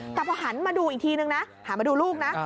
แต่พอหันมาดูอีกทีนึงนะหันมาดูลูกนะ